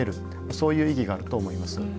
そういう意義があると思います。